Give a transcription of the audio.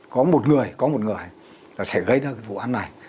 có một người có một người là sẽ gây ra cái vụ án này